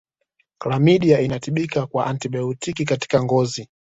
Klamidia inatibika kwa antibaotiki katika ngozi